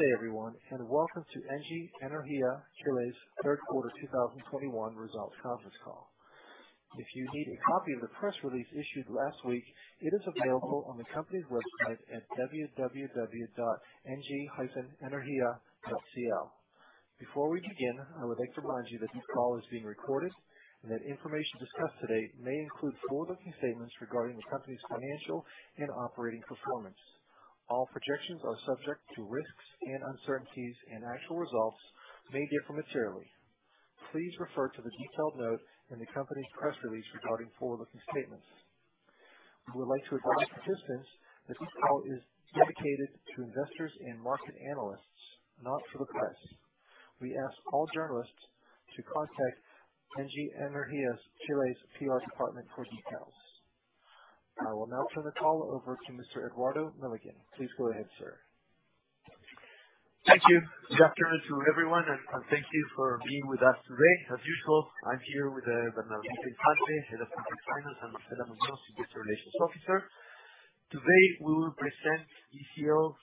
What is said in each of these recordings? Good day everyone, and welcome to Engie Energía Chile's third quarter 2021 results conference call. If you need a copy of the press release issued last week, it is available on the company's website at www.engie-energia.cl. Before we begin, I would like to remind you that this call is being recorded and that information discussed today may include forward-looking statements regarding the company's financial and operating performance. All projections are subject to risks and uncertainties, and actual results may differ materially. Please refer to the detailed note in the company's press release regarding forward-looking statements. We would like to advise participants that this call is dedicated to investors and market analysts, not for the press. We ask all journalists to contact Engie Energía Chile's PR department for details. I will now turn the call over to Mr. Eduardo Milligan. Please go ahead, sir. Thank you. Good afternoon to everyone, and thank you for being with us today. As usual, I'm here with Bernardita Infante, Head of Corporate Finance, and Marcela Muñoz, Investor Relations Officer. Today, we will present ECL's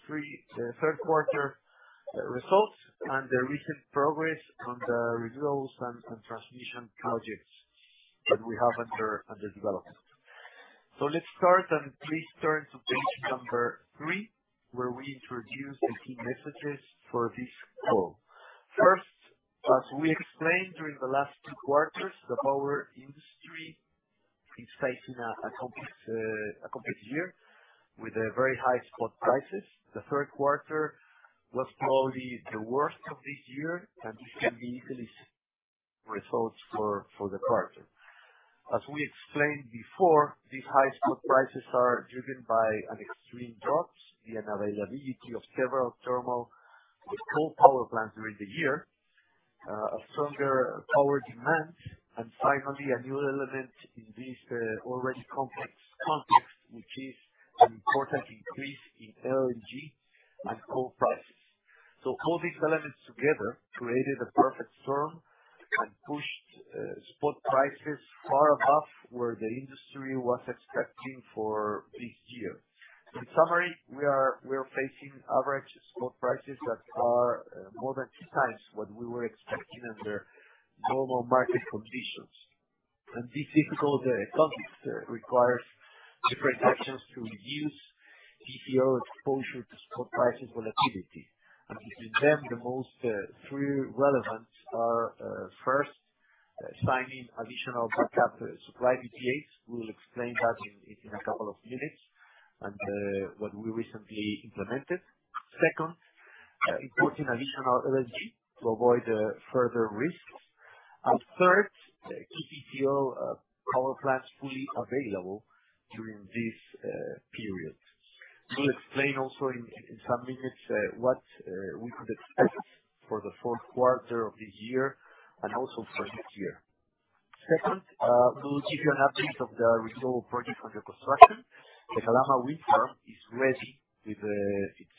third quarter results and the recent progress on the renewables and transmission projects that we have under development. Let's start, and please turn to page 3, where we introduce the key messages for this call. First, as we explained during the last two quarters, the power industry is facing a complex year with very high spot prices. The third quarter was probably the worst of this year, and this can be easily seen in the results for the quarter. As we explained before, these high spot prices are driven by an extreme drops, the unavailability of several thermal coal power plants during the year, a stronger power demand, and finally a new element in this already complex context, which is an important increase in LNG and coal prices. All these elements together created a perfect storm and pushed spot prices far above where the industry was expecting for this year. In summary, we are facing average spot prices that are more than 2 times what we were expecting under normal market conditions. This difficult context requires different actions to reduce GCO exposure to spot prices volatility. Between them, the 3 most relevant are first, signing additional backup supply PPAs. We'll explain that in a couple of minutes, and what we recently implemented. Second, importing additional LNG to avoid further risks. Third, to keep GCO power plants fully available during this period. We'll explain also in some minutes what we could expect for the fourth quarter of this year and also for next year. Second, we'll give you an update of the renewable projects under construction. The Calama Wind Farm is ready with its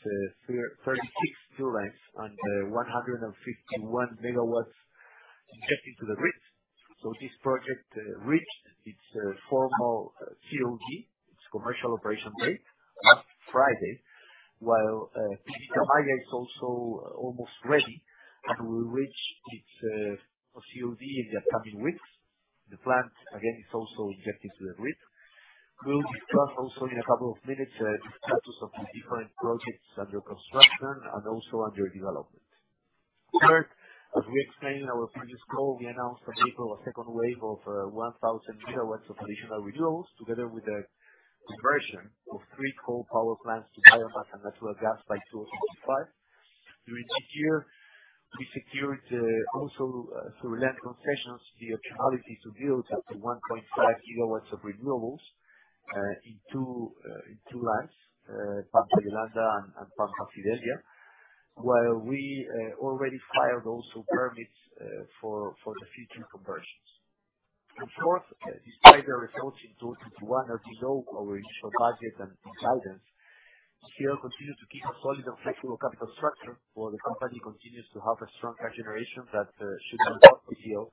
36 turbines and 151 MW connected to the grid. So this project reached its formal COD, its commercial operation date, last Friday, while Tamaya is also almost ready, and will reach its COD in the coming weeks. The plant, again, is also injected to the grid. We'll discuss also in a couple of minutes the status of the different projects under construction and also under development. Third, as we explained in our previous call, we announced in April a second wave of 1,000 MW of additional renewables, together with the conversion of three coal power plants to biomass and natural gas by 2035. During this year, we secured also through land concessions the opportunity to build up to 1.5 GW of renewables in two lines, Pampa Yolanda and Pampa Fidelia, while we already filed also permits for the future conversions. Fourth, despite the results in 2021 are below our initial budget and guidance, ECL continues to keep a solid and flexible capital structure, while the company continues to have a strong cash generation that should allow ECL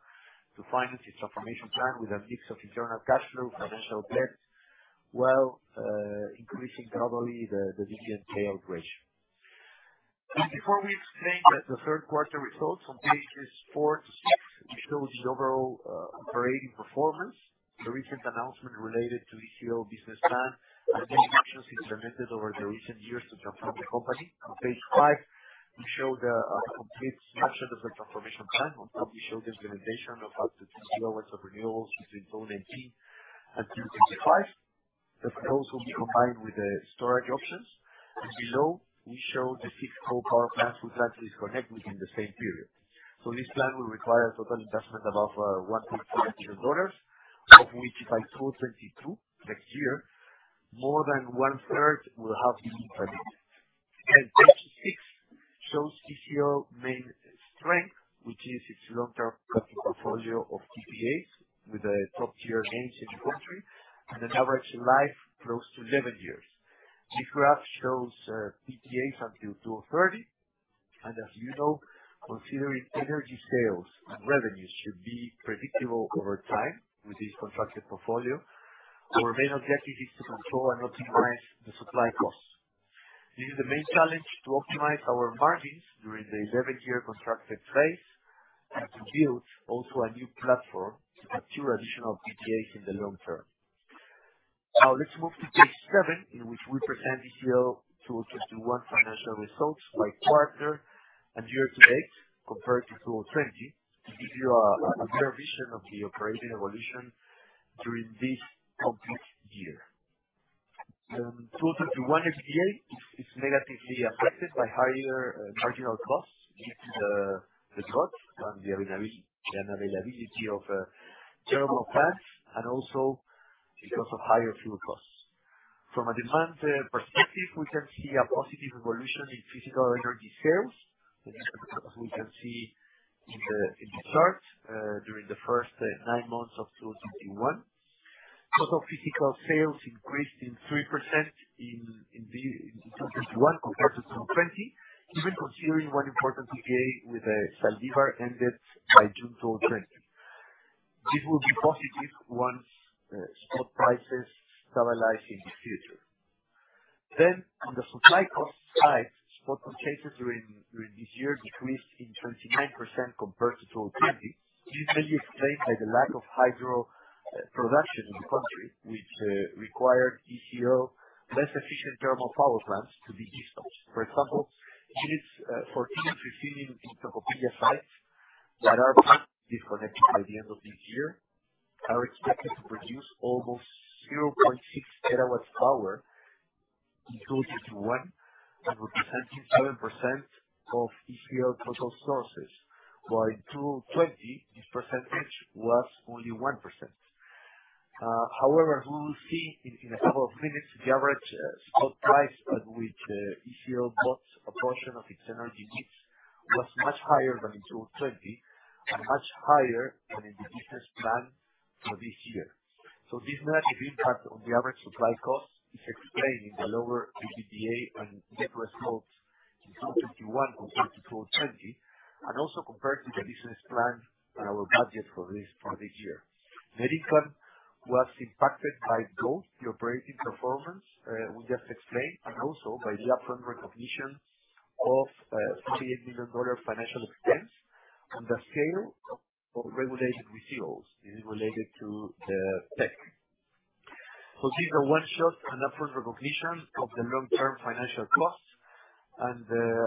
to finance its transformation plan with a mix of internal cash flow, financial debt, while increasing probably the dividend payout ratio. Before we explain the third quarter results on pages four to six, we show the overall operating performance, the recent announcement related to ECL business plan, and the initiatives implemented over the recent years to transform the company. On page five, we show the complete snapshot of the transformation plan. On top, we show the implementation of up to 2 GW of renewables between 2019 and 2035. That could also be combined with the storage options. Below, we show the six coal power plants we plan to disconnect within the same period. This plan will require a total investment above $1.4 billion, of which by 2022, next year, more than one-third will have been invested. Page 6 shows our main strength, which is its long-term contract portfolio of PPAs with the top tier names in the country and an average life close to 11 years. This graph shows PPAs until 2030. As you know, considering energy sales and revenues should be predictable over time with this contracted portfolio. Our main objective is to control and optimize the supply costs. This is the main challenge to optimize our margins during the 11-year contracted phase, and to build also a new platform to secure additional PPAs in the long term. Now let's move to page seven, in which we present the Q2 2021 financial results by quarter and year to date compared to 2020, to give you a better view of the operating evolution during this complete year. 2021 EBITDA is negatively affected by higher marginal costs due to the drought and the availability of thermal plants, and also because of higher fuel costs. From a demand perspective, we can see a positive evolution in physical energy sales, as we can see in the chart, during the first 9 months of 2021. Total physical sales increased 3% in 2021 compared to 2020, even considering one important PPA with Zaldívar ended by June 2020. This will be positive once spot prices stabilize in the future. On the supply cost side, spot purchases during this year decreased in 29% compared to 2020. This may be explained by the lack of hydro production in the country, which required more less efficient thermal power plants to be dispatched. For example, units 14 and 15 in Tocopilla sites that are to be disconnected by the end of this year are expected to produce almost 0.6 terawatt-hours in 2021, and representing 7% of our total sources. While in 2020, this percentage was only 1%. However, we will see in a couple of minutes, the average spot price at which ECL bought a portion of its energy needs was much higher than in 2020 and much higher than in the business plan for this year. This negative impact on the average supply cost is explained in the lower EBITDA and net results in 2021 compared to 2020, and also compared to the business plan and our budget for this year. The margin was impacted by both the operating performance we just explained, and also by the upfront recognition of $28 million financial expense on the sale of regulated receivables. This is related to the PEC. This is a one-off and upfront recognition of the long-term financial costs. As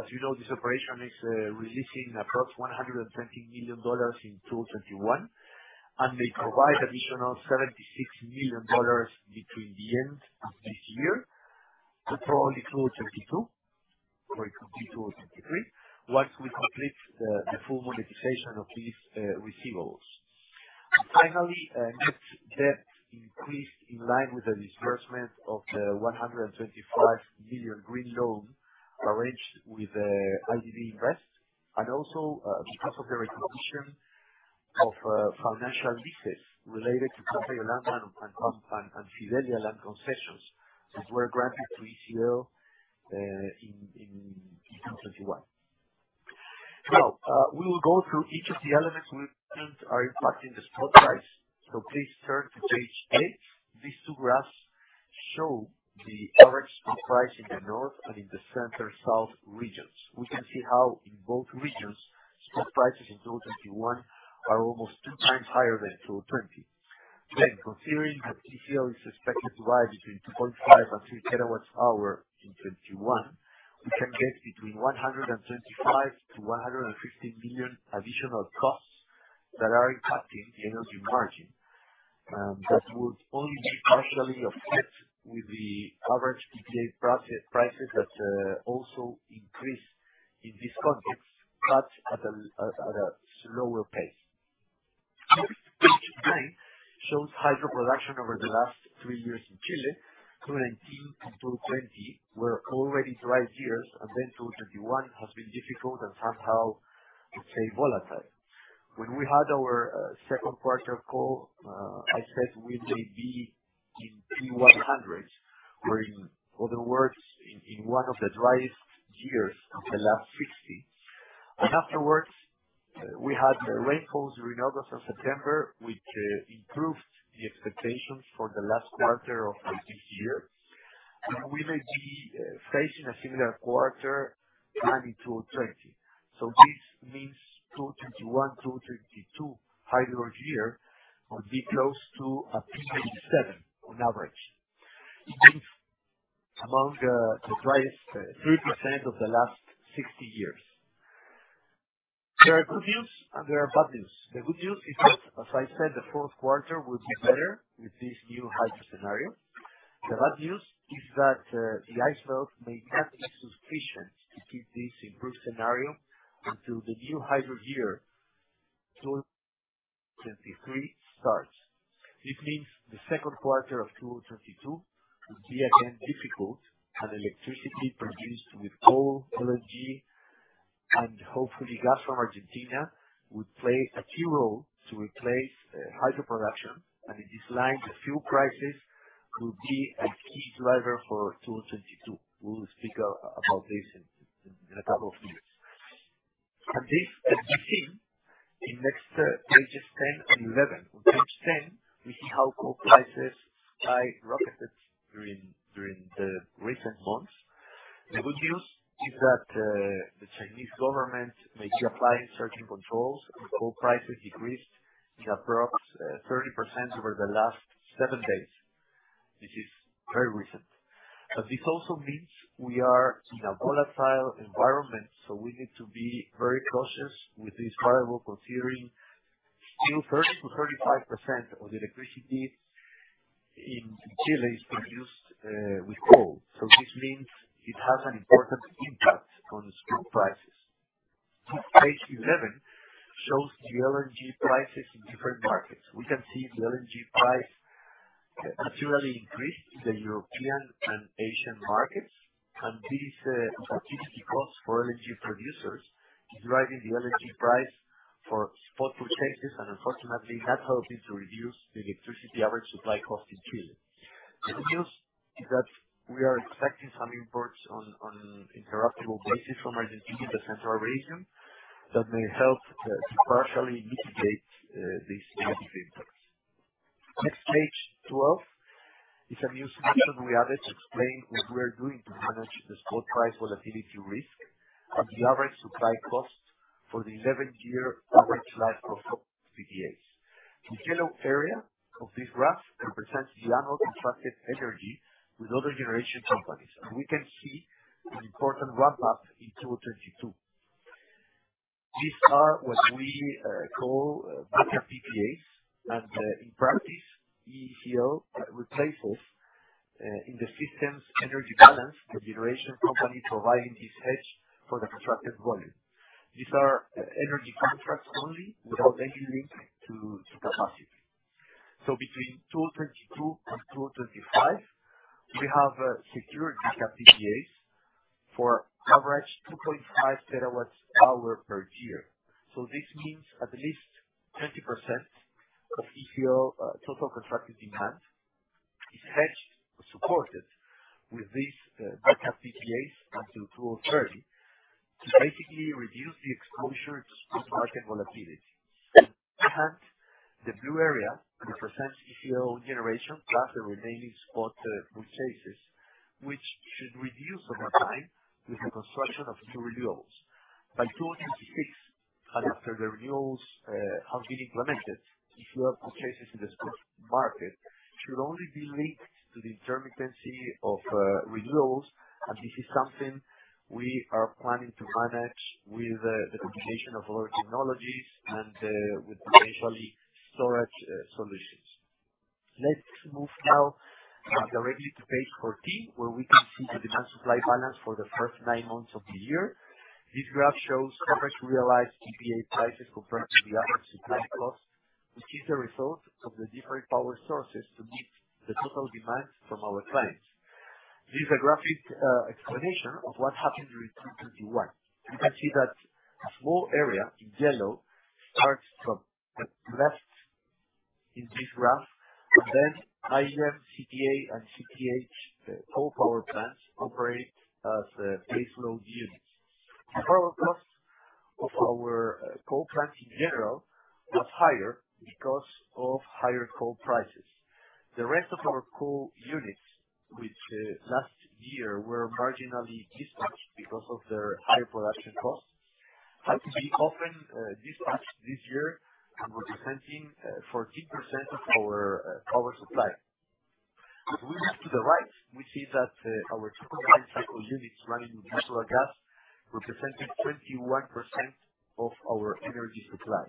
you know, this operation is releasing $120 million in 2021, and may provide additional $76 million between the end of this year to probably 2022 or 2023, once we complete the full monetization of these receivables. Finally, net debt increased in line with the disbursement of the $125 million green loan arranged with IDB Invest, and also because of the recognition of financial leases related to Capella Land and Pampa Fidela Land concessions, which were granted to CO in 2021. Now we will go through each of the elements we mentioned are impacting the spot price. Please turn to page eight. These two graphs show the average spot price in the north and in the center south regions. We can see how in both regions, spot prices in 2021 are almost 2 times higher than in 2020. Considering that CO is expected to rise between 2.5 and 3 terawatts power in 2021, we can get between $125 million-$150 million additional costs that are impacting the energy margin. That would only be partially offset with the average PPA prices that also increase in this context, but at a slower pace. Page 9 shows hydro production over the last three years in Chile. 2019 to 2020 were already dry years, and then 2021 has been difficult and somehow, let's say, volatile. When we had our second quarter call, I said we may be in P100, or in other words, in one of the driest years of the last 60. Afterwards, we had rainfalls during August and September, which improved the expectations for the last quarter of this year. We may be facing a similar quarter to in 2020. This means 2021-2022 hydro year will be close to a P87 on average. It means among the driest 3% of the last 60 years. There are good news and there are bad news. The good news is that, as I said, the fourth quarter will be better with this new hydro scenario. The bad news is that the ice melt may not be sufficient to keep this improved scenario until the new hydro year, 2023, starts. This means the second quarter of 2022 could be again difficult, and electricity produced with coal, LNG, and hopefully gas from Argentina, would play a key role to replace hydro production. Along these lines, the fuel prices could be a key driver for 2022. We will speak about this in a couple of minutes. This can be seen in the next pages 10 and 11. On page 10, we see how coal prices rocketed during the recent months. The good news is that the Chinese government may be applying certain controls, and coal prices decreased by approximately 30% over the last 7 days, which is very recent. This also means we are in a volatile environment, so we need to be very cautious with this variable, considering still 30%-35% of the electricity in Chile is produced with coal. This means it has an important impact on the spot prices. Page 11 shows the LNG prices in different markets. We can see the LNG price materially increased in the European and Asian markets, and this higher cost for LNG producers is driving the LNG price for spot purchases, and unfortunately, that's helping to increase the electricity average supply cost in Chile. The good news is that we are expecting some imports on interruptible basis from Argentina to the central region, that may help to partially mitigate these negative impacts. Next, page 12 is a new section we added to explain what we're doing to manage the spot price volatility risk and the average supply costs for the 11-year average life of PPAs. The yellow area of this graph represents the annual contracted energy with other generation companies, and we can see an important ramp-up in 2022. These are what we call backup PPAs, and in practice, ECL replaces in the system's energy balance the generation company providing this hedge for the contracted volume. These are energy contracts only without any link to capacity. Between 2022 and 2025, we have secured backup PPAs for average 2.5 TWh per year. This means at least 20% of ECL total contracted demand is hedged or supported with these backup PPAs until 2030 to basically reduce the exposure to spot market volatility. On the other hand, the blue area represents ECL generation, plus the remaining spot purchases, which should reduce over time with the construction of new renewables. By 2026, and after the renewables have been implemented, ECL purchases in the spot market should only be linked to the intermittency of renewables, and this is something we are planning to manage with the combination of our technologies and with potentially storage solutions. Let's move now directly to page 14, where we can see the demand supply balance for the first 9 months of the year. This graph shows average realized PPA prices compared to the average supply cost, which is the result of the different power sources to meet the total demand from our clients. This is a graphic explanation of what happened during 2021. You can see that a small area in yellow starts from the left in this graph, and then IEM, CTA, and CTH coal power plants operate as base load units. The variable costs of our coal plants in general was higher because of higher coal prices. The rest of our coal units, which last year were marginally dispatched because of their high production costs, had to be often dispatched this year, representing 14% of our power supply. If we move to the right, we see that, our combined cycle units running with diesel or gas represented 21% of our energy supply.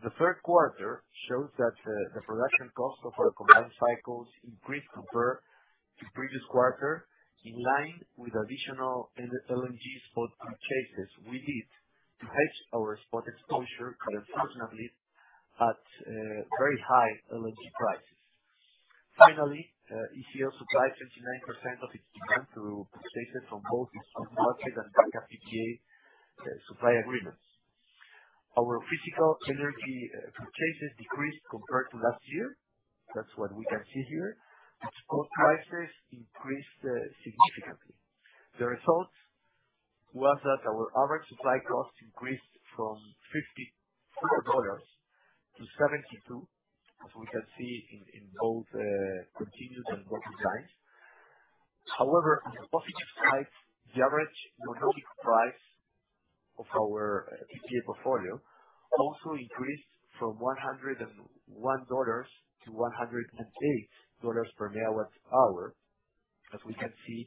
The third quarter shows that, the production cost of our combined cycles increased compared to previous quarter, in line with additional LNG spot purchases we did to hedge our spot exposure, but unfortunately, at very high LNG prices. Finally, ECL supplied 79% of its demand through purchases on both its long-term budget and backup PPA supply agreements. Our physical energy purchases decreased compared to last year. That's what we can see here. Coal prices increased significantly. The result was that our average supply cost increased from $54 to $72, as we can see in both continuous and broken lines. However, on the positive side, the average economic price of our PPA portfolio also increased from $101 to $108 per MWh, as we can see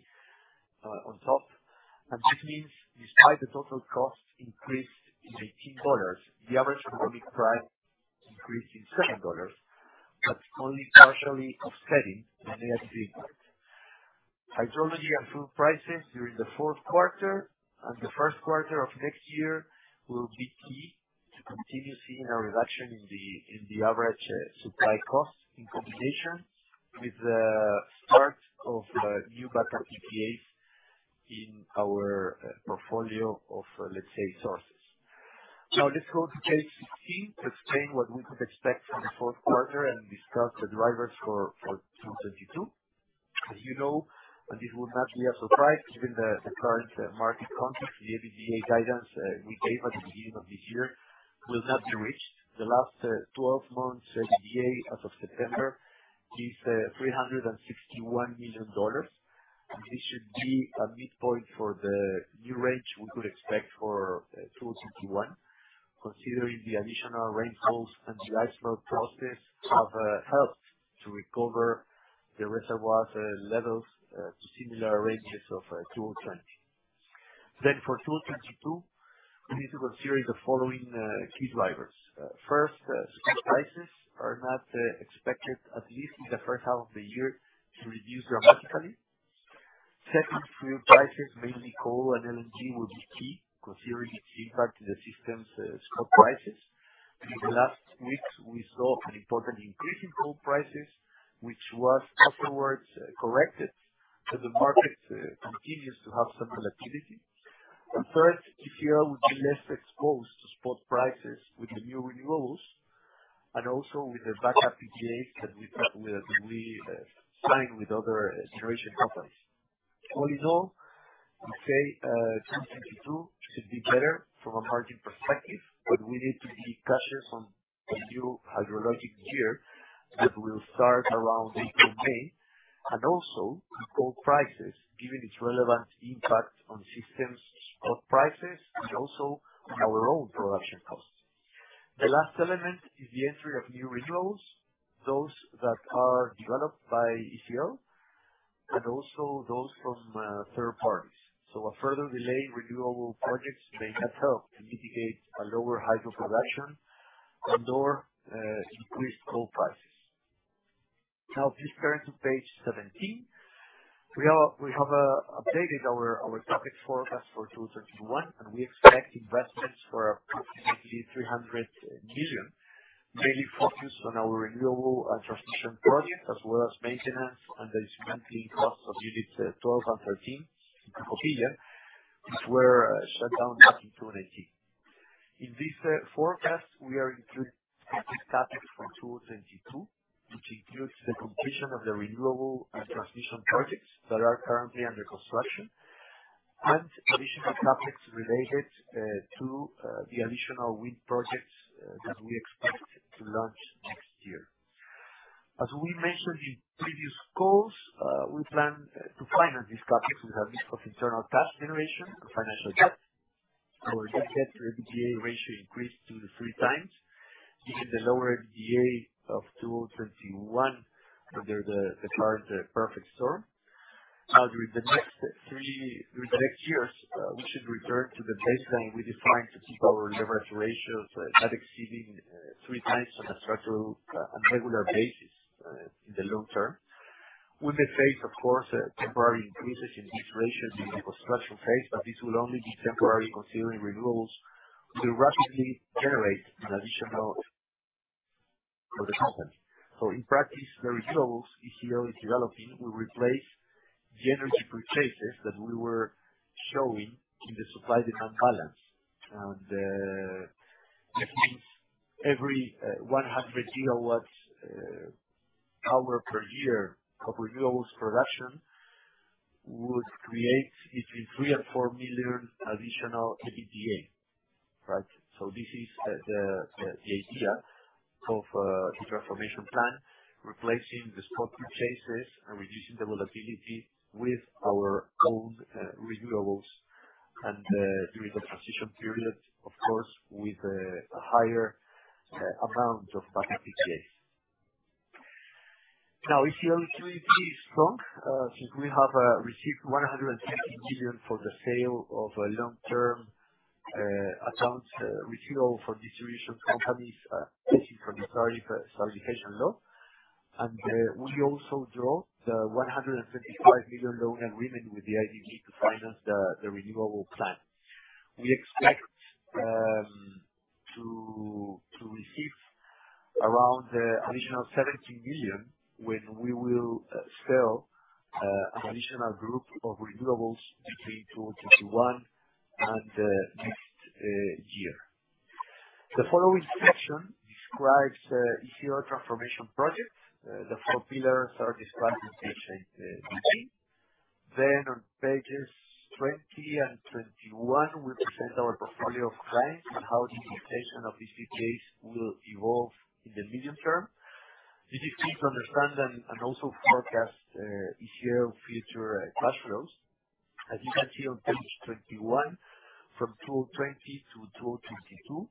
on top. This means despite the total cost increase in $18, the average economic price increased in $7, but only partially offsetting the negative impact. Hydrology and fuel prices during the fourth quarter and the first quarter of next year will be key to continue seeing a reduction in the average supply cost in combination with the start of new backup PPAs in our portfolio of, let's say, sources. Let's go to page 15 to explain what we could expect from the fourth quarter and discuss the drivers for 2022. As you know, and this will not be a surprise given the current market context, the EBITDA guidance we gave at the beginning of this year will not be reached. The last 12 months EBITDA as of September is $361 million. This should be a midpoint for the new range we could expect for 2021, considering the additional rainfalls and the ice melt process have helped to recover the reservoirs levels to similar ranges of 2020. For 2022, we need to consider the following key drivers. First, spot prices are not expected, at least in the first half of the year, to reduce dramatically. Second, fuel prices, mainly coal and LNG, will be key considering its impact to the system's spot prices. In the last weeks, we saw an important increase in coal prices, which was afterwards corrected as the market continues to have some volatility. Third, this year we'll be less exposed to spot prices with the new renewables and also with the backup PPAs that we signed with other generation companies. All in all, we say 2022 should be better from a margin perspective, but we need to be cautious on the new hydrologic year that will start around April/May, and also the coal prices, given its relevant impact on spot prices and also on our own production costs. The last element is the entry of new renewals, those that are developed by ECL, and also those from third parties. A further delay in renewable projects may help to mitigate a lower hydro production and/or increased coal prices. Now, please turn to page 17. We have updated our CapEx forecast for 2021, and we expect investments for approximately $300 million, mainly focused on our renewable and transmission projects, as well as maintenance and the dismantling costs of units 12 and 13 in Tocopilla. These were shut down back in 2018. In this forecast, we are including CapEx from 2022, which includes the completion of the renewable and transmission projects that are currently under construction and additional CapEx related to the additional wind projects that we expect to launch next year. As we mentioned in previous calls, we plan to finance this CapEx with a mix of internal cash generation and financial debt. Our debt-to-EBITDA ratio increased 2-3x, given the lower EBITDA of 2021 under the current Perfect Storm. Now, during the next three years, we should return to the baseline we defined to keep our leverage ratios not exceeding 3x on a structural, on regular basis, in the long term. We may face, of course, temporary increases in these ratios in the construction phase, but this will only be temporary considering renewables will rapidly generate an additional for the company. In practice, the renewables we are developing will replace the energy purchases that we were showing in the supply-demand balance. This means every 100 kW power per year of renewables production would create between $3 million and $4 million additional EBITDA. Right? This is the idea of this transformation plan, replacing the spot purchases and reducing the volatility with our own renewables and during the transition period, of course, with a higher amount of backup PPAs. Now, ECL liquidity is strong since we have received $150 million for the sale of a long-term accounts receivable for distribution companies pacing for the tariff stabilization law. We also drew the $125 million loan agreement with the IDB to finance the renewable plan. We expect to receive around additional $17 million when we will sell an additional group of renewables between 2021 and next year. The following section describes ECL transformation projects. The four pillars are described in pages 18 to 19. On pages 20 and 21, we present our portfolio of clients and how the inflation of these PPAs will evolve in the medium term. This is key to understand and also forecast ECL future cash flows. As you can see on page 21, from 2020 to 2022,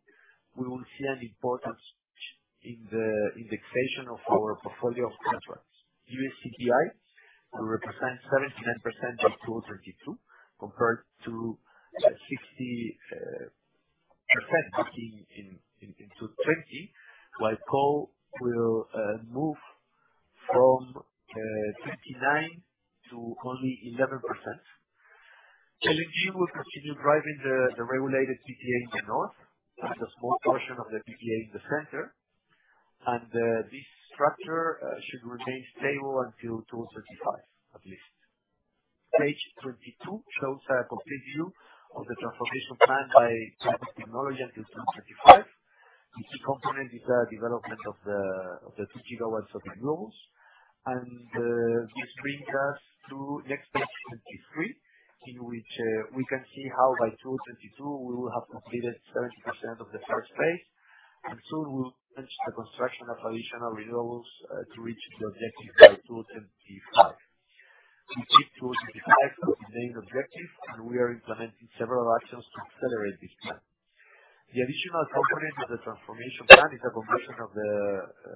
we will see an importance in the indexation of our portfolio of contracts. US CPI will represent 79% of 2022, compared to 60% in 2020, while coal will move from 59% to only 11%. LNG will continue driving the regulated PPA in the North and a small portion of the PPA in the center. This structure should remain stable until 2035, at least. Page 22 shows a complete view of the transformation plan by type of technology until 2035. The key component is the development of the 2 GW of renewables. This brings us to next page, 23, in which we can see how by 2022, we will have completed 70% of the first phase. Soon we'll launch the construction of additional renewables to reach the objective by 2025. We keep 2025 as the main objective, and we are implementing several actions to accelerate this plan. The additional component of the transformation plan is the conversion of the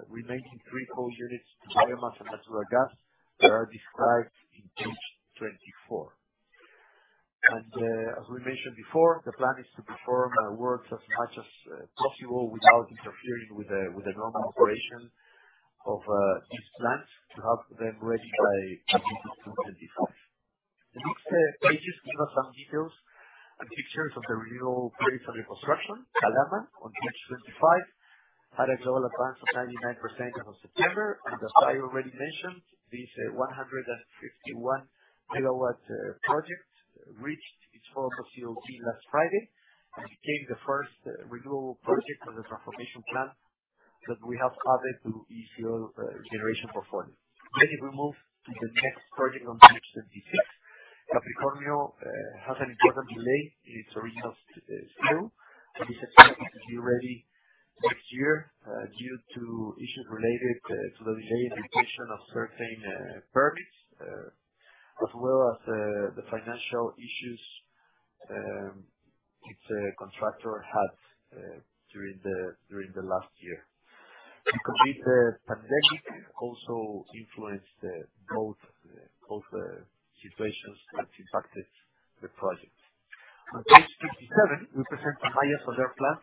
remaining three coal units to biomass and natural gas that are described in page 24. As we mentioned before, the plan is to perform works as much as possible without interfering with the normal operation of these plants to have them ready by 2025. The next pages give us some details and pictures of the renewable projects under construction. Calama, on page 25, had a global advance of 99% as of September. As I already mentioned, this 151 MW project reached its formal COD last Friday, and became the first renewable project on the transformation plan that we have added to ECL generation portfolio. We will move to the next project on page 26. Capricornio has an important delay in its original schedule and is expected to be ready next year due to issues related to the delayed delivery of certain permits, as well as the financial issues its contractor had during the last year. The COVID pandemic also influenced both the situations and impacted the project. On page 27, we present the Tamaya solar plant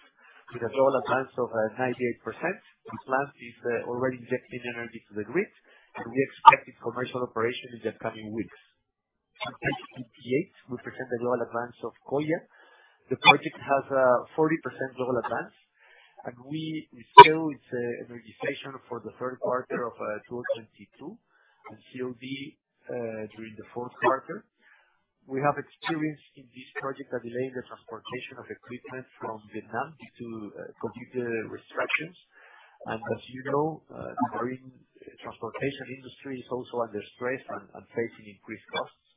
with a global advance of 98%. This plant is already injecting energy to the grid, and we expect its commercial operation in the coming weeks. On page 28, we present the global advance of Colla. The project has a 40% global advance, and we expect its energization for the third quarter of 2022, and COD during the fourth quarter. We have experienced in this project a delay in the transportation of equipment from Vietnam due to COVID restrictions. As you know, the marine transportation industry is also under stress and facing increased costs.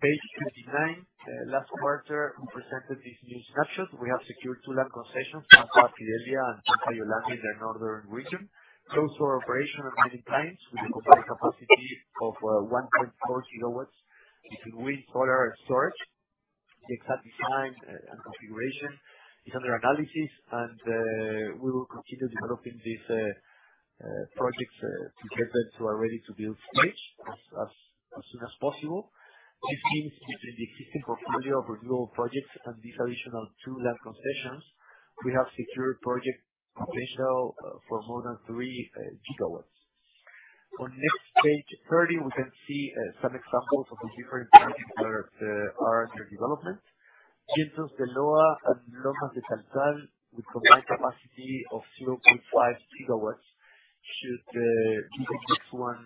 On page 29, last quarter we presented this new snapshot. We have secured two land concessions, Pampa Fidelia and Pampa Yolanda in the northern region. Those are operational at many times with a combined capacity of 1.4 gigawatts between wind, solar and storage. The exact design and configuration is under analysis and we will continue developing these projects to get them to a ready-to-build stage as soon as possible. This means between the existing portfolio of renewable projects and these additional two land concessions, we have secured project potential for more than 3 gigawatts. On next page 30, we can see some examples of the different projects that are under development. Vientos de Loa and Lomas de Taltal, with combined capacity of 0.5 gigawatts, should be the next one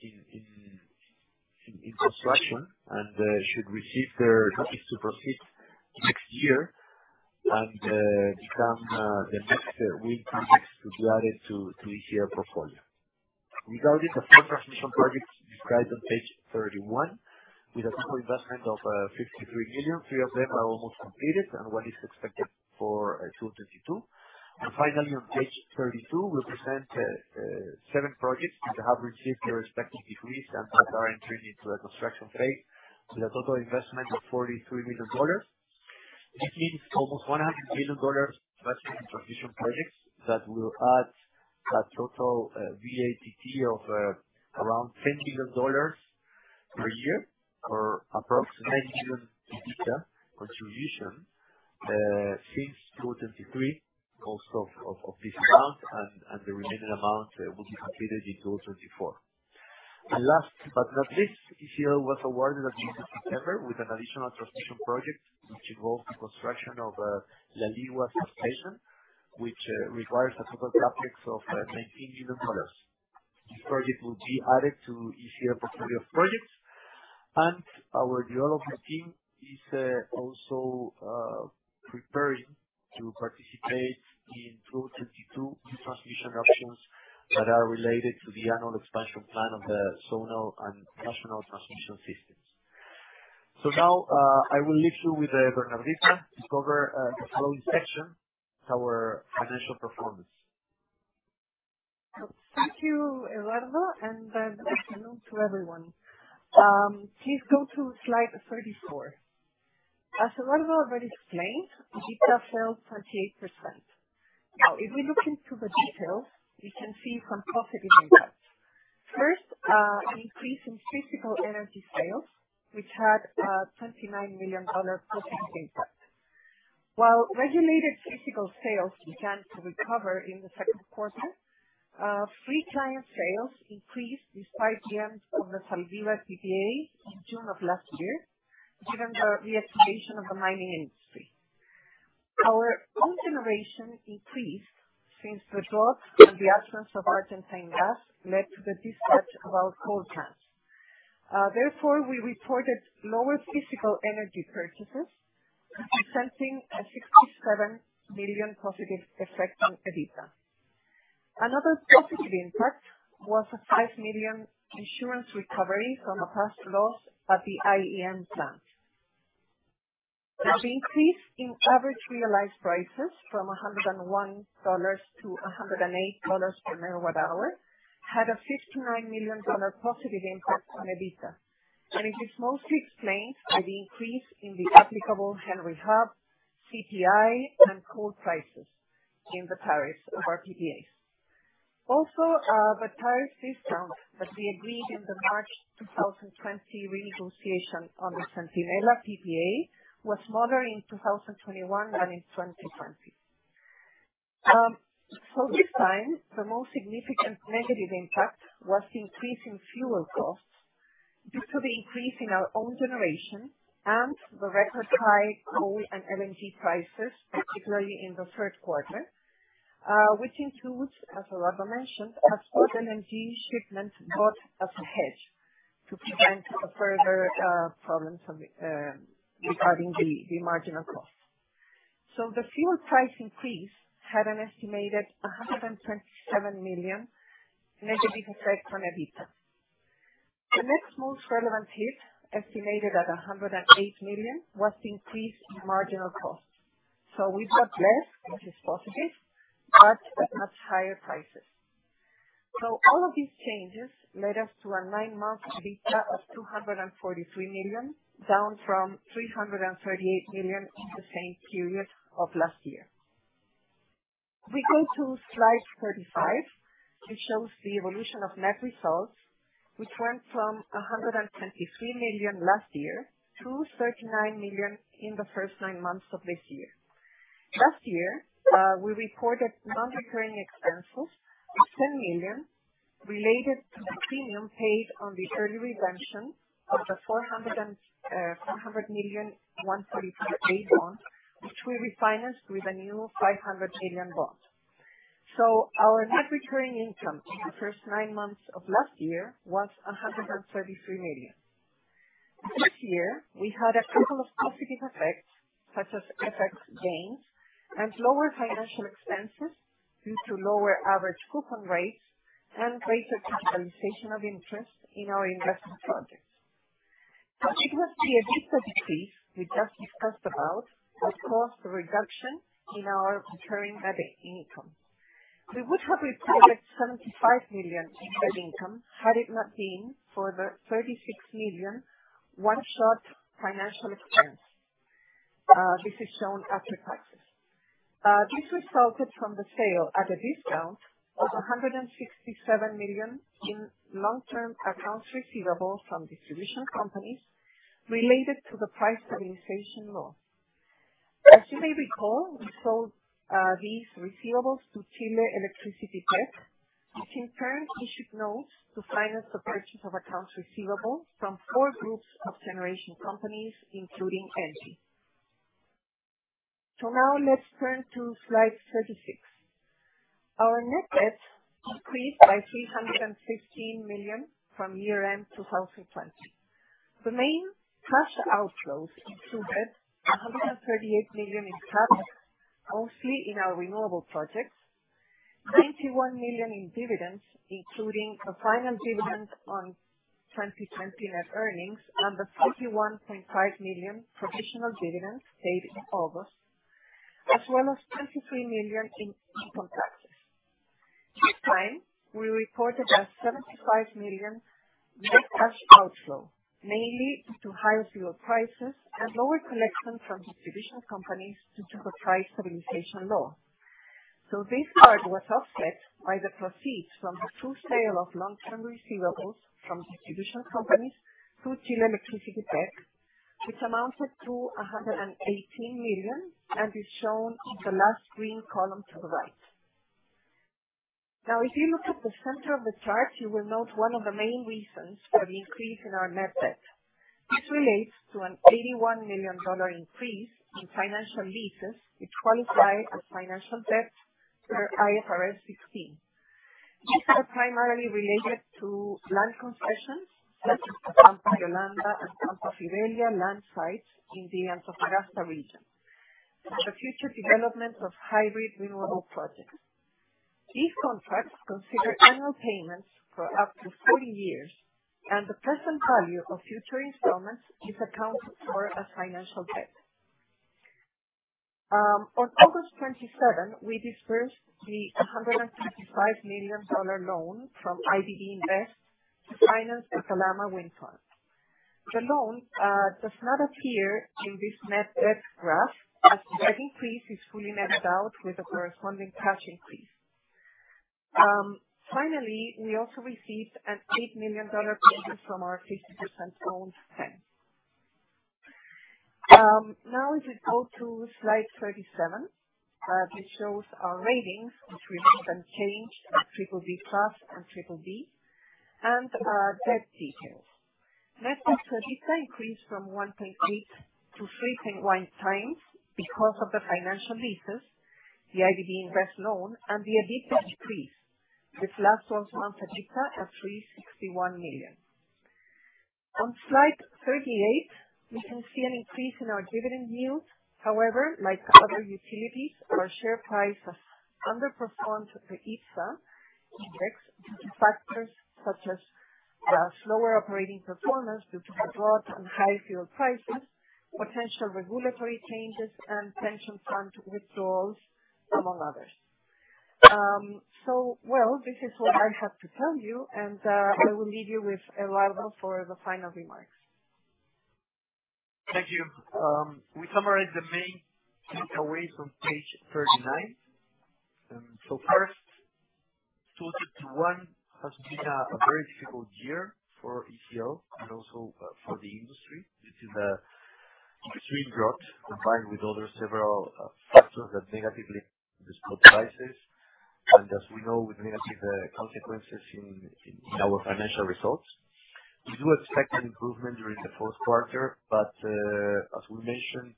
in construction, and should receive their notice to proceed next year and become the next wind projects to be added to ECL portfolio. Regarding the four transmission projects described on page 31, with a total investment of $53 million, three of them are almost completed and one is expected for 222. Finally on page 32, we present seven projects which have received their respective decrees and that are entering into a construction phase with a total investment of $43 million. This means almost $100 million invested in transmission projects that will add a total VATT of around $10 billion per year or approx $9 billion in EBITDA contribution since 2023. Most of this amount and the remaining amount will be completed in 2024. Last but not least, ECL was awarded as of September with an additional transmission project, which involves the construction of La Ligua substation, which requires a total CapEx of $19 million. This project will be added to ECL portfolio of projects and our development team is also preparing to participate in 222 new transmission auctions that are related to the annual expansion plan of the zonal and national transmission systems. Now, I will leave you with Bernardita to cover the following section, our financial performance. Thank you, Eduardo, and good afternoon to everyone. Please go to slide 34. As Eduardo already explained, EBITDA fell 28%. Now, if we look into the details, we can see some positive impacts. First, an increase in physical energy sales, which had a $29 million positive impact. While regulated physical sales began to recover in the second quarter, free client sales increased despite the end of the Saldivia PPA in June of last year, given the reactivation of the mining industry. Our own generation increased since the drop in the issuance of Argentine gas led to the dispatch of our coal plants. Therefore, we reported lower physical energy purchases, presenting a $67 million positive effect on EBITDA. Another positive impact was a $5 million insurance recovery from a past loss at the IEM plant. Now, the increase in average realized prices from $101 to $108 per MWh had a $69 million positive impact on EBITDA, and it is mostly explained by the increase in the applicable Henry Hub, CPI, and coal prices in the tariffs of our PPAs. Also, the tariff discount that we agreed in the March 2020 renegotiation on the Centinela PPA was smaller in 2021 than in 2020. This time, the most significant negative impact was the increase in fuel costs due to the increase in our own generation and the record high coal and LNG prices, particularly in the third quarter, which includes, as Eduardo mentioned, a spot LNG shipment bought as a hedge to prevent further problems from regarding the marginal cost. The fuel price increase had an estimated $127 million negative effect on EBITDA. The next most relevant hit, estimated at $108 million, was the increase in marginal costs. We bought less, which is positive, but at much higher prices. All of these changes led us to a nine-month EBITDA of $243 million, down from $338 million in the same period of last year. If we go to slide 35, it shows the evolution of net results, which went from $123 million last year to $39 million in the first nine months of this year. Last year, we reported non-recurring expenses of $10 million related to the premium paid on the early redemption of the $400 million 144A bonds, which we refinanced with a new $500 million bond. Our net recurring income in the first nine months of last year was $133 million. This year, we had a couple of positive effects, such as FX gains and lower financial expenses due to lower average coupon rates and greater capitalization of interest in our investment projects. You can see EBITDA decrease we just discussed about, of course, the reduction in our recurring net income. We would have reported $75 million in net income had it not been for the $36 million one-shot financial expense. This is shown after taxes. This resulted from the sale at a discount of $167 million in long-term accounts receivable from distribution companies related to the price stabilization law. As you may recall, we sold these receivables to Chile Electricity PEC, which in turn issued notes to finance the purchase of accounts receivable from four groups of generation companies, including ENGIE. Let's turn to slide 36. Our net debt increased by $315 million from year-end 2020. The main cash outflows included $138 million in CapEx, mostly in our renewable projects, $91 million in dividends, including a final dividend on 2020 net earnings and the $31.5 million provisional dividends paid in August, as well as $23 million in taxes. This time, we reported a $75 million net cash outflow, mainly due to higher fuel prices and lower collection from distribution companies due to the price stabilization law. This part was offset by the proceeds from the full sale of long-term receivables from distribution companies through Chile Electricity PEC, which amounted to $118 million, and is shown on the last green column to the right. Now, if you look at the center of the chart, you will note one of the main reasons for the increase in our net debt. This relates to an $81 million increase in financial leases, which qualify as financial debt per IFRS 16. These are primarily related to land concessions, such as the Pampa Yolanda and Pampa Fidelia land sites in the Antofagasta Region for the future development of hybrid renewable projects. These contracts consider annual payments for up to 40 years, and the present value of future installments is accounted for as financial debt. On August 27, we dispersed the $155 million loan from IDB Invest to finance the Calama Wind Farm. The loan does not appear in this net debt graph, as the debt increase is fully netted out with the corresponding cash increase. Finally, we also received an $8 million payment from our 50 percent-owned TEN. Now, if we go to slide 37. This shows our ratings, which we haven't changed, are BBB+ and BBB, and debt details. Net debt to EBITDA increased from 1.8 to 3.1x because of the financial leases, the IDB Invest loan, and the EBITDA decrease. This last one to EBITDA at $361 million. On slide 38, we can see an increase in our dividend yield. However, like other utilities, our share price has underperformed the IPSA index due to factors such as the slower operating performance due to the drought and high fuel prices, potential regulatory changes, and pension fund withdrawals, among others. Well, this is what I have to tell you, and I will leave you with Eduardo Milligan for the final remarks. Thank you. We summarize the main takeaways on page 39. First, 2021 has been a very difficult year for ECL and also for the industry, between the extreme drought combined with other several factors that negatively the spot prices. As we know, with negative consequences in our financial results. We do expect an improvement during the fourth quarter, but as we mentioned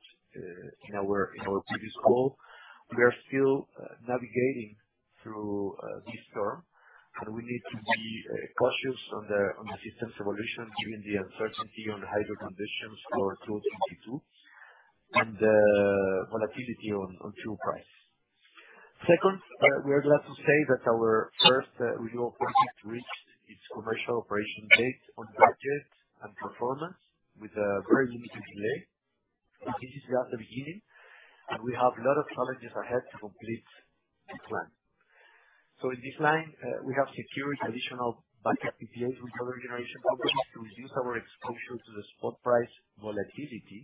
in our previous call, we are still navigating through this storm. We need to be cautious on the system's evolution, given the uncertainty on the hydro conditions for 2022 and volatility on fuel price. Second, we are glad to say that our first renewable project reached its commercial operation date on budget and performance with a very limited delay. This is just the beginning, and we have a lot of challenges ahead to complete this plan. In this line, we have secured traditional backup PPAs with other generation companies to reduce our exposure to the spot price volatility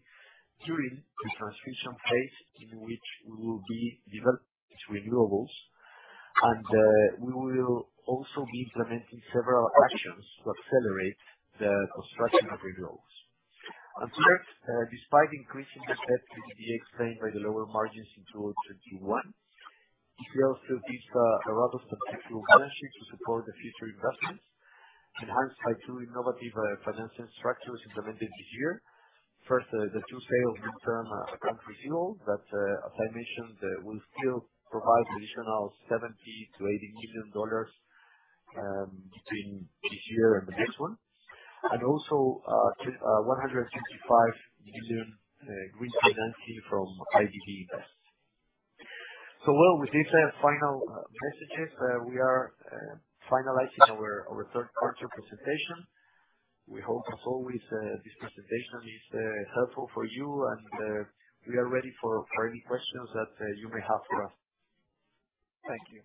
during the transmission phase, in which we will be developing these renewables. We will also be implementing several actions to accelerate the construction of renewables. Third, despite the increase in the debt explained by the lower margins in 2021, ECL still keeps a robust financial position to support the future investments, enhanced by two innovative financial structures implemented this year. First, the sale of long-term accounts receivable that, as I mentioned, will still provide additional $70 million-$80 million between this year and the next one. Also, $165 million green financing from IDB Invest. Well, with these final messages, we are finalizing our third quarter presentation. We hope as always, this presentation is helpful for you and we are ready for any questions that you may have for us. Thank you.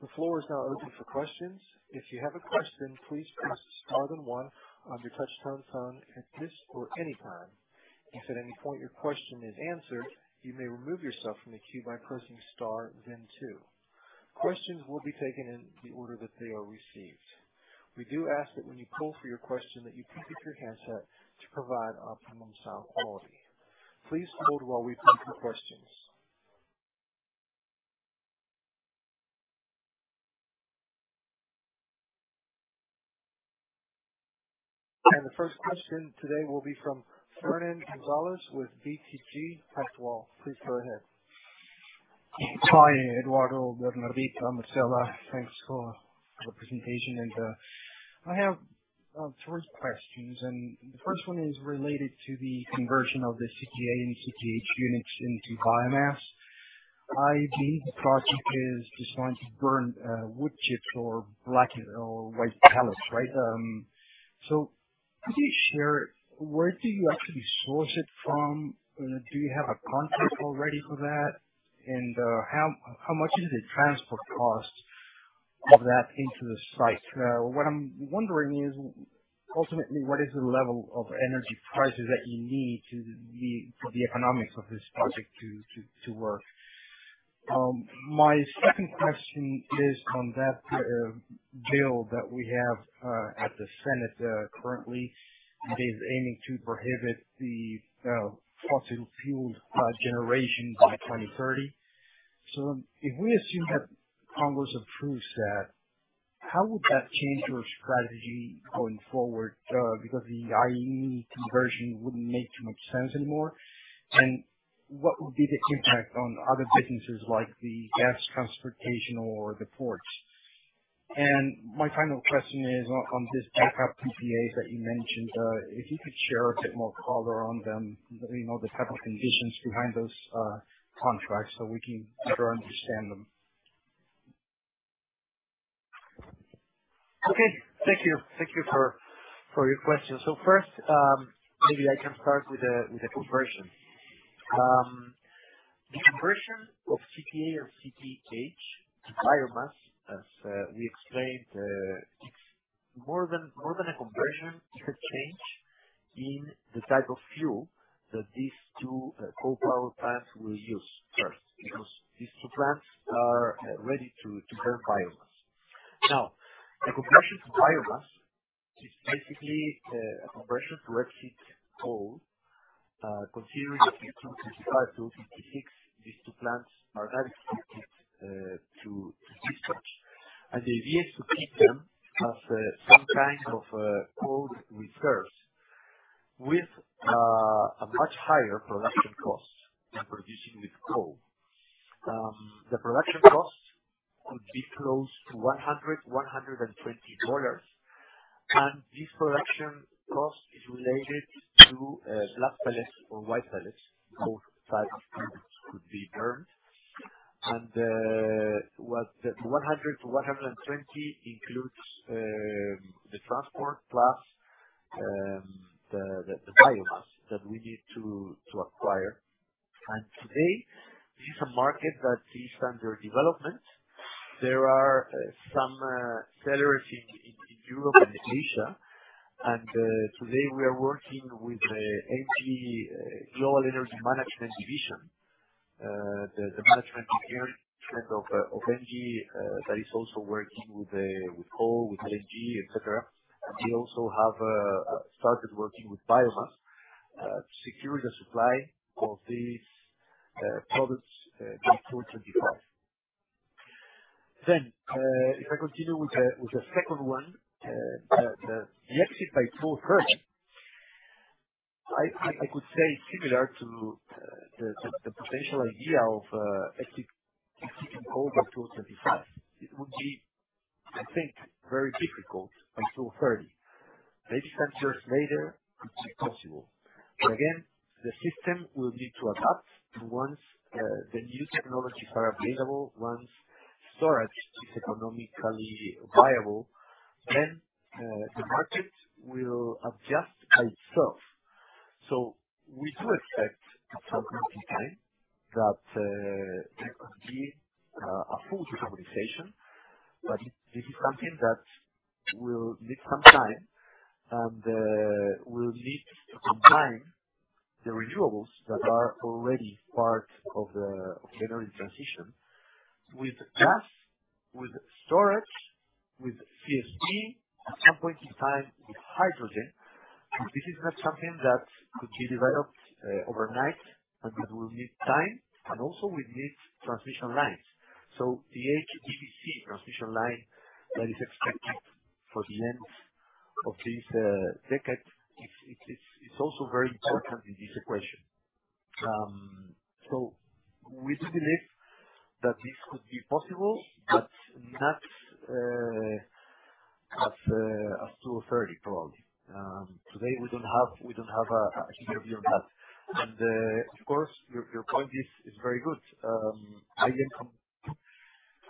The floor is now open for questions. If you have a question, please press star then one on your touchtone phone at this or any time. If at any point your question is answered, you may remove yourself from the queue by pressing star then two. Questions will be taken in the order that they are received. We do ask that when you call for your question that you peek at your handset to provide optimum sound quality. Please hold while we take your questions. The first question today will be from Fernán González with BTG Pactual. Please go ahead. Hi, Eduardo Milligan, Bernardita Infante, Marcela Muñoz. Thanks for the presentation. I have three questions. The first one is related to the conversion of the CTA and CTH units into biomass. I believe the project is designed to burn wood chips or black or white pellets, right? So could you share where do you actually source it from? Do you have a contract already for that? How much is the transport cost of that into the site? What I'm wondering is ultimately, what is the level of energy prices that you need for the economics of this project to work? My second question is on that bill that we have at the Senate currently. It is aiming to prohibit the fossil fuel generation by 2030. If we assume that Congress approves that, how would that change your strategy going forward? Because the IE conversion wouldn't make too much sense anymore. What would be the impact on other businesses like the gas transportation or the ports? My final question is on this backup PPAs that you mentioned, if you could share a bit more color on them, you know, the type of conditions behind those contracts so we can better understand them. Okay. Thank you for your questions. First, maybe I can start with the conversion. The conversion of CTA and CTH to biomass, as we explained, it's more than a conversion. It's a change in the type of fuel that these two coal power plants will use first. Because these two plants are ready to burn biomass. Now, the conversion to biomass is basically a conversion to exit coal, considering between 2025-2026, these two plants are not expected to dispatch. The idea is to keep them as some kind of cold reserves with a much higher production cost than producing with coal. The production cost could be close to $100-$120. This production cost is related to black pellets or white pellets. Both types could be burned. What the $100-$120 includes, the transport plus the biomass that we need to acquire. Today, this is a market that is under development. There are some sellers in Europe and in Asia. Today we are working with ENGIE Global Energy Management division. The management team of ENGIE that is also working with coal, with LNG, etc. They also have started working with biomass to secure the supply of these products by 2025. If I continue with the second one, the exit by 2030, I could say similar to the potential idea of exit, exiting coal by 2025. It would be, I think, very difficult by 2030. Maybe some years later it could be possible. Again, the system will need to adapt once the new technologies are available, once storage is economically viable, then the market will adjust by itself. We do expect at some point in time that there could be a full decarbonization, but this is something that will need some time and will need to combine the renewables that are already part of the general transition with gas, with storage, with CSP, at some point in time with hydrogen. This is not something that could be developed overnight, and that will need time, and also we need transmission lines. The HVDC transmission line that is expected for the end of this decade, it's also very important in this equation. We do believe that this could be possible, but not at 2030, probably. Today we don't have a clear view on that. Of course, your point is very good. High income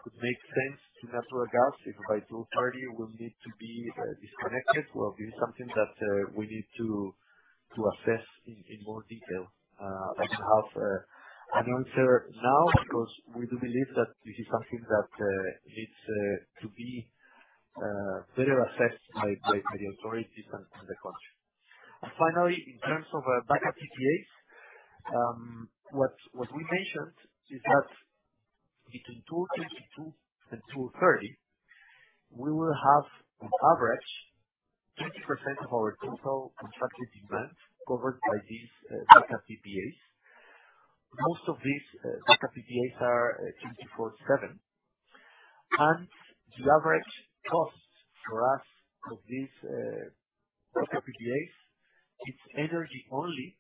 could make sense to natural gas. If by 2030 it will need to be disconnected. This is something that we need to assess in more detail than to have an answer now. Because we do believe that this is something that needs to be better assessed by the authorities in the country. Finally, in terms of backup PPAs, what we mentioned is that between 2022 and 2030, we will have on average 20% of our total contracted demand covered by these backup PPAs. Most of these backup PPAs are 24/7. The average cost for us of these backup PPAs is energy only.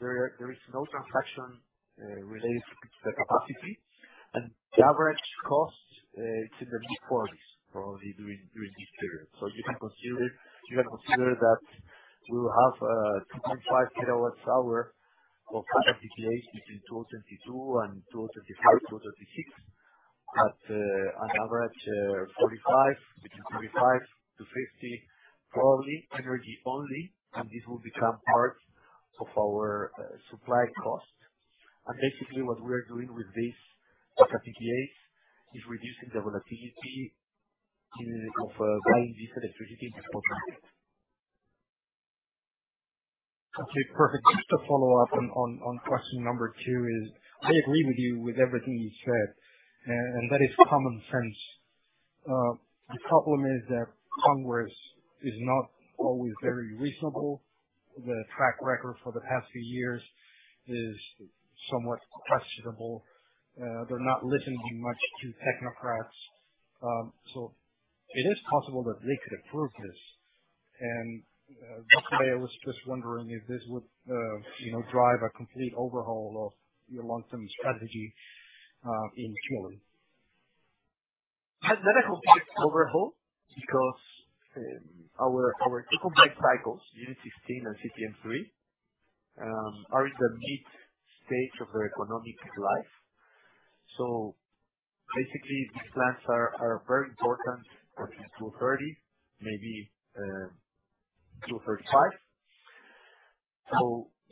There is no transaction related to the capacity. The average cost is in the mid-forties, probably during this period. You can consider that we will have 2.5 kWh of backup PPAs between 2022 and 2025, 2026 at an average 45, between $45-$50, probably energy only. This will become part of our supply cost. Basically what we are doing with these backup PPAs is reducing the volatility of buying this electricity in this contract. Okay, perfect. Just to follow up on question number 2, I agree with you with everything you said, and that is common sense. The problem is that Congress is not always very reasonable. The track record for the past few years is somewhat questionable. They're not listening much to technocrats. It is possible that they could approve this. That's why I was just wondering if this would, you know, drive a complete overhaul of your long-term strategy in Chile. Not a complete overhaul because our two combined cycles, unit 16 and CTM 3, are in the mid stage of their economic life. Basically, these plants are very important at least till 2030, maybe 2035.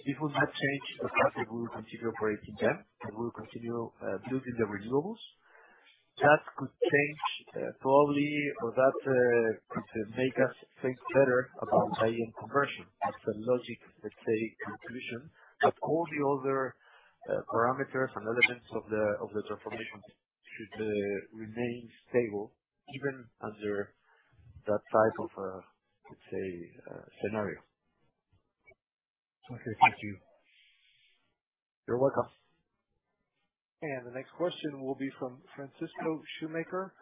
This will not change the fact that we will continue operating them, and we will continue building the renewables. That could change probably or could make us think better about buy-in conversion as a logic, let's say, conclusion. All the other parameters and elements of the transformation should remain stable even under that type of, let's say, scenario. Okay, thank you. You're welcome. The next question will be from Francisco Schumacher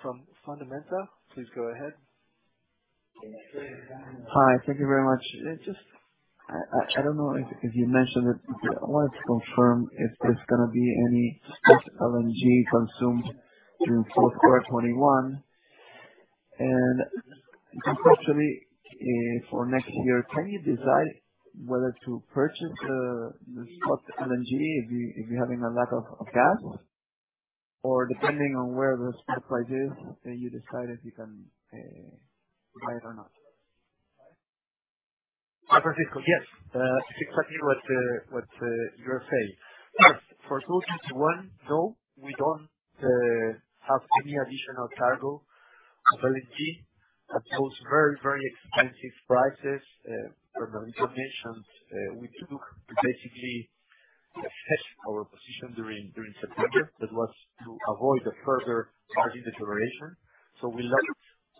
from Fundamenta. Please go ahead. Hi. Thank you very much. Just, I don't know if you mentioned it, but I wanted to confirm if there's gonna be any LNG consumed through fourth quarter 2021. Conceptually, for next year, can you decide whether to purchase the spot LNG if you're having a lack of gas? Depending on where the spot price is, then you decide if you can buy it or not. Francisco, yes, it's exactly what you are saying. First, for 2021, no, we don't have any additional cargo of LNG at those very, very expensive prices that Mario mentioned, we took to basically assess our position during September. That was to avoid a further margin deterioration. We'll look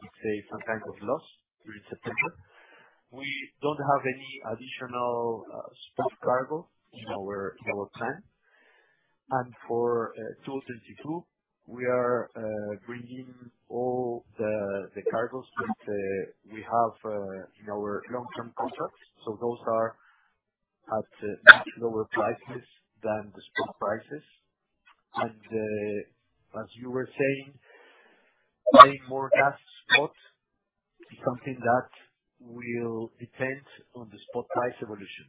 to take some type of loss during September. We don't have any additional spot cargo in our plan. For 2022, we are bringing all the cargos that we have in our long-term contracts. Those are at much lower prices than the spot prices. As you were saying, paying more for spot gas is something that will depend on the spot price evolution.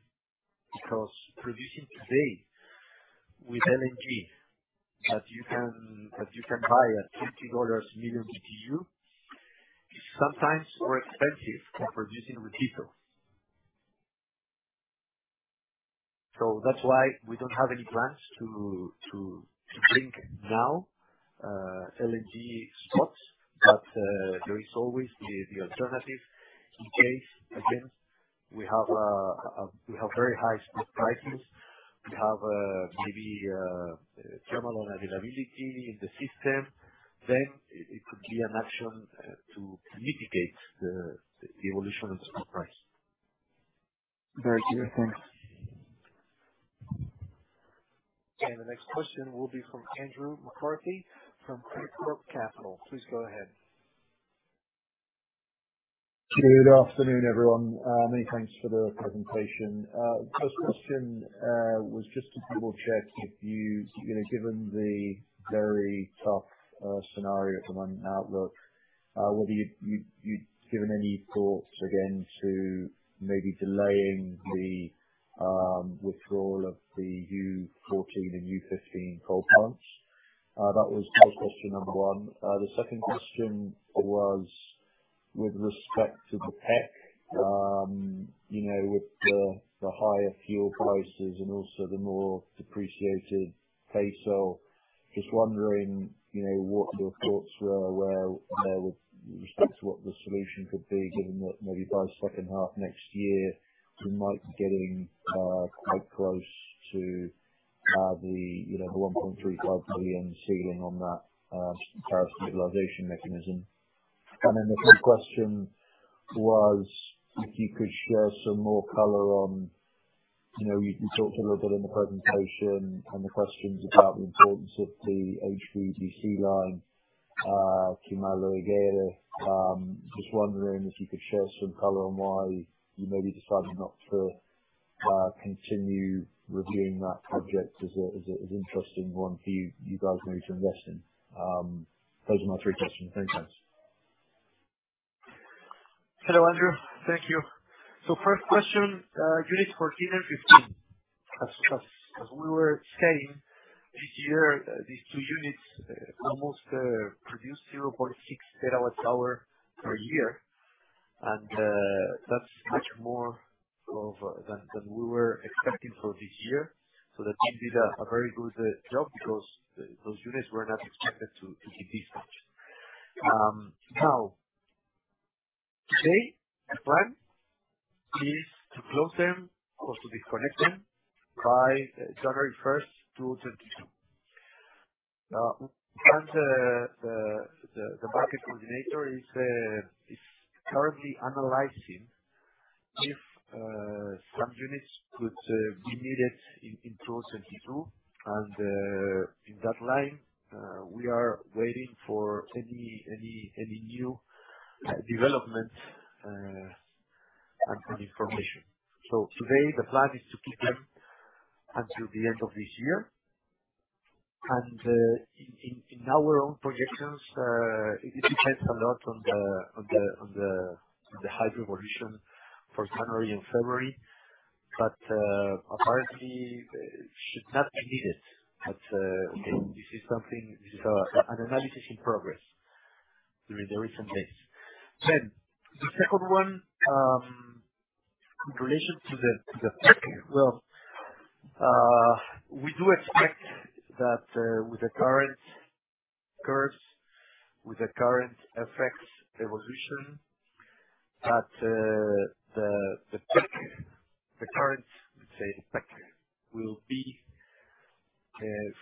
Because producing today with LNG that you can buy at $50 per million BTU is sometimes more expensive than producing with diesel. That's why we don't have any plans to bring in now LNG spots. There is always the alternative in case, again, we have very high spot prices. We have maybe term availability in the system, then it could be an auction to mitigate the evolution of the spot price. Very clear. Thanks. The next question will be from Andrew McCarthy from Credicorp Capital. Please go ahead. Good afternoon, everyone. Many thanks for the presentation. First question was just to double check if you know, given the very tough scenario at the moment outlook, whether you'd given any thoughts again to maybe delaying the withdrawal of the U fourteen and U fifteen coal plants. That was first question number one. The second question was with respect to the PEC, you know, with the higher fuel prices and also the more depreciated peso, just wondering, you know, what your thoughts were with respect to what the solution could be, given that maybe by second half next year, we might be getting quite close to the $1.35 billion ceiling on that capacity utilization mechanism. The third question was if you could share some more color on, you know, you talked a little bit in the presentation, on the questions about the importance of the HVDC line to Malargüe. Just wondering if you could share some color on why you maybe decided not to continue reviewing that project as an interesting one for you guys to invest in. Those are my three questions. Many thanks. Hello, Andrew. Thank you. First question, units 14 and 15. As we were saying, this year, these two units almost produced 0.6 terawatt-hours per year, and that's much more than we were expecting for this year. The team did a very good job because those units were not expected to give this much. Today, the plan is to close them or to disconnect them by January 1, 2022. The market coordinator is currently analyzing if some units could be needed in 2022. In that line, we are waiting for any new development and new information. Today, the plan is to keep them until the end of this year. In our own projections, it depends a lot on the hydro evolution for January and February. Apparently it should not be needed. Again, this is an analysis in progress during the recent days. The second one, in relation to the PEC. Well, we do expect that, with the current curves, with the current FX evolution, that the PEC, the current, let's say, PEC will be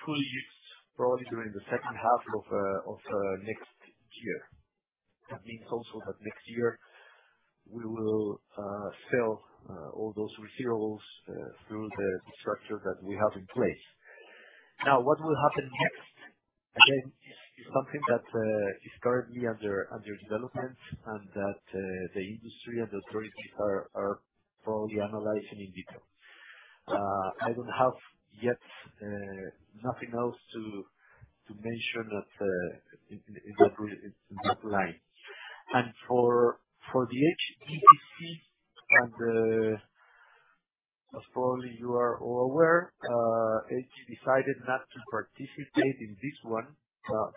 fully used probably during the second half of next year. That means also that next year we will sell all those renewables through the structure that we have in place. Now, what will happen next? It's something that is currently under development and that the industry and authorities are probably analyzing in detail. I don't have yet nothing else to mention that in that line. For the HVDC and as probably you are all aware, ECL decided not to participate in this one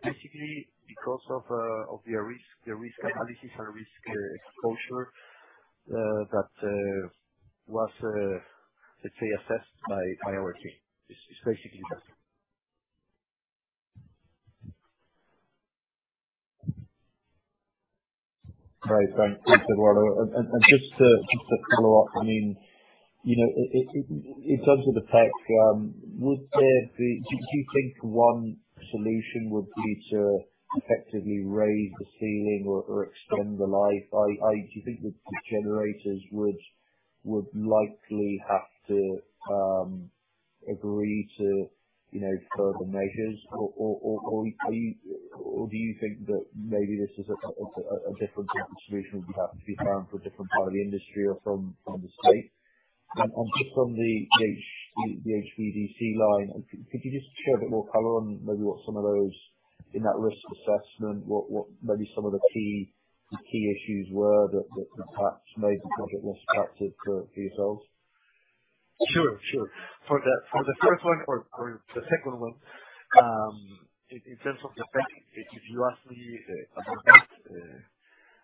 basically because of their risk analysis and risk exposure that was let's say assessed by our team. It's basically that. Right. Thank you, Eduardo. Just to follow up, I mean, you know, in terms of the PEC, do you think one solution would be to effectively raise the ceiling or extend the life? Do you think the generators would likely have to agree to, you know, further measures? Or do you think that maybe this is a different type of solution would have to be found for a different part of the industry or from the state? Just on the HVDC line, could you just shed a bit more color on maybe what some of those in that risk assessment, what maybe some of the key issues were that perhaps made it a bit less attractive for yourselves? Sure. For the first one or the second one, in terms of the PEC, if you ask me,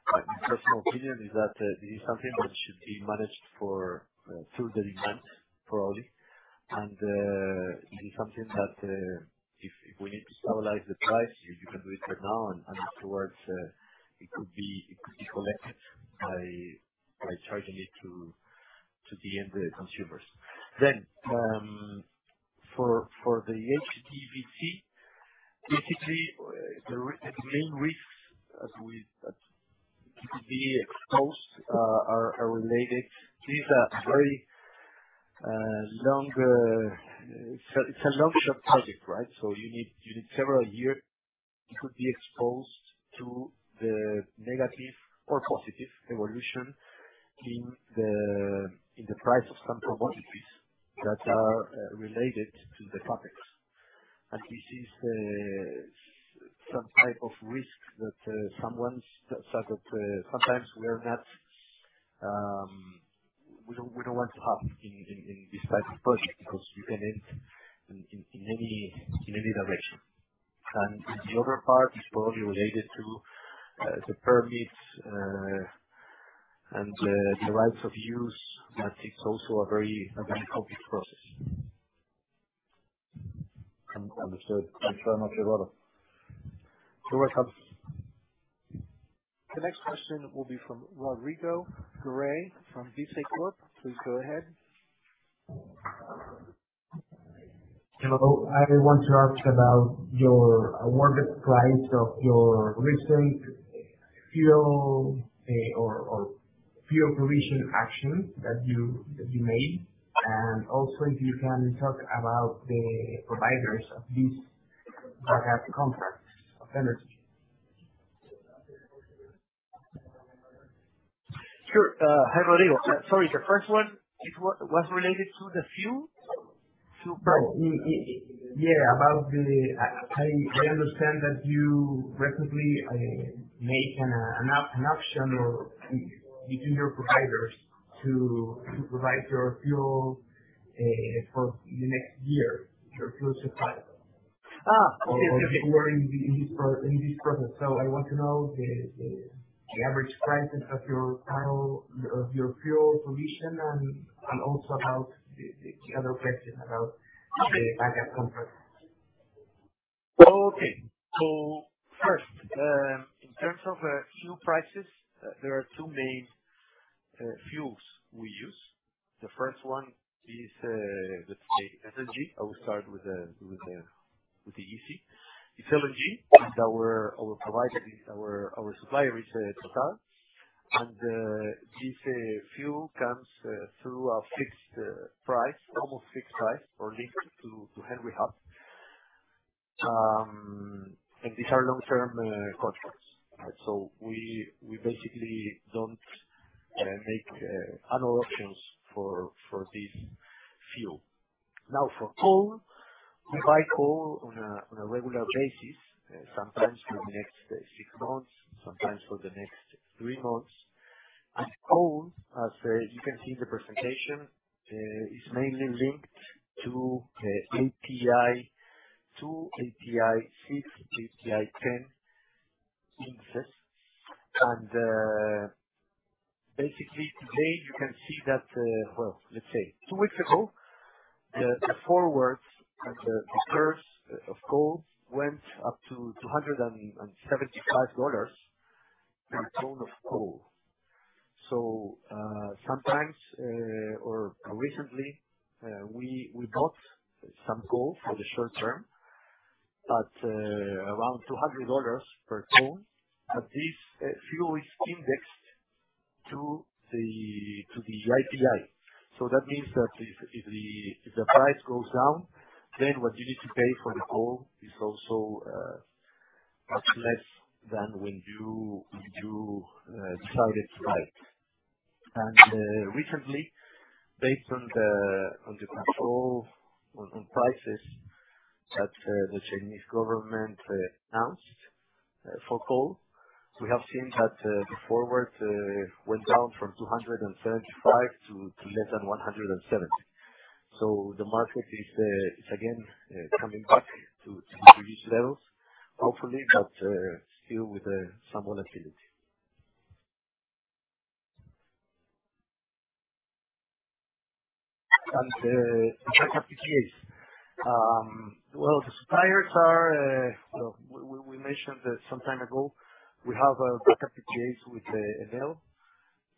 my best personal opinion is that this is something that should be managed through the demand, probably. It is something that, if we need to stabilize the price, you can do it for now, and afterwards, it could be collected by charging it to the end consumers. For the HVDC, basically, the main risks as we could be exposed are related. These are very long. It's a long-term project, right? You need several years. It could be exposed to the negative or positive evolution in the price of some commodities that are related to the topics. This is some type of risk that sort of sometimes we are not. We don't want to have in this type of project because you can end in any direction. The other part is probably related to the permits and the rights of use. That is also a very complex process. Understood. Thanks very much, Eduardo. You're welcome. The next question will be from Rodrigo Garay from BICECORP. Please go ahead. Hello. I want to ask about your awarded price of your recent fuel provision action that you made. Also if you can talk about the providers of these backup contracts of energy. Sure. Hi, Rodrigo. Sorry, the first one, it was related to the fuel? Yeah, I understand that you recently made an option or between your providers to provide your fuel for the next year, your fuel supply. Okay. You were in this process. I want to know the average prices of your fuel provision and also about the other question about the backup contract. Okay. First, in terms of fuel prices, there are two main fuels we use. The first one is, let's say LNG. I will start with the easy. It's LNG, and our provider is... Our supplier is Total. And this fuel comes through a fixed price, almost fixed price or linked to Henry Hub. And these are long-term contracts. We basically don't make annual options for this fuel. Now, for coal, we buy coal on a regular basis, sometimes for the next 6 months, sometimes for the next 3 months. And coal, as you can see the presentation, is mainly linked to API 2, API 6, API 10 indices. And basically, today you can see that. Well, let's say two weeks ago, the forwards and the curves of coal went up to $275 per ton of coal. Sometimes, or recently, we bought some coal for the short term at around $200 per ton. But this fuel is indexed to the API. That means that if the price goes down, then what you need to pay for the coal is also much less than when you started to buy it. Recently, based on the control on prices that the Chinese government announced for coal, we have seen that the forward went down from 235 to less than 170. The market is again coming back to previous levels, hopefully, but still with some volatility. Backup PPAs. The suppliers are. We mentioned that some time ago, we have backup PPAs with Enel.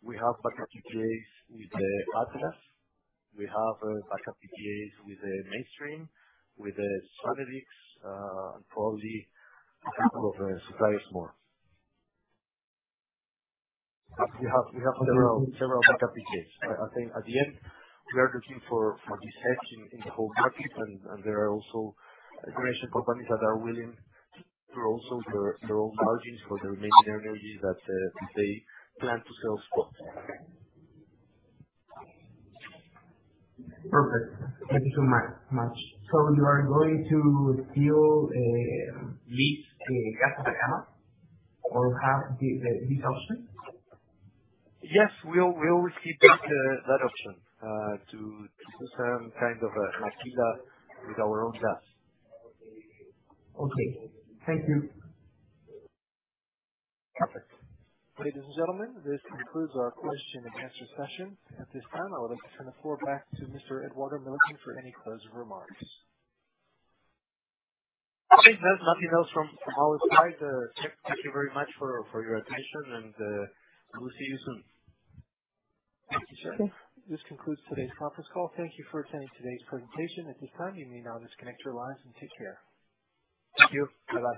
We have backup PPAs with Atlas. We have backup PPAs with Mainstream, with Sonnedix, and probably a couple of suppliers more. We have several backup PPAs. I think at the end, we are looking for this hedge in the whole market. There are also generation companies that are willing to also grow their own margins for the remaining energy that they plan to sell spot. Perfect. Thank you so much. You are going to still lease gas to the plant or have this option? Yes, we will keep that option to do some kind of a maquila with our own gas. Okay. Thank you. Perfect. Ladies and gentlemen, this concludes our question and answer session. At this time, I would like to turn the floor back to Mr. Eduardo Milligan for any closing remarks. Okay. There's nothing else from our side. Thank you very much for your attention, and we'll see you soon. Thank you, sir. This concludes today's conference call. Thank you for attending today's presentation. At this time, you may now disconnect your lines and take care. Thank you. Bye-bye.